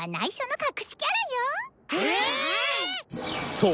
そう！